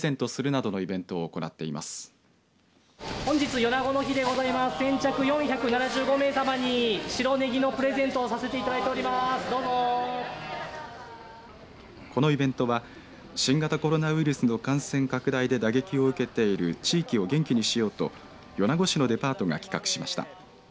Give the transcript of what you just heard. このイベントは新型コロナウイルスの感染拡大で打撃を受けている地域を元気にしようと米子市のデパートが企画しました。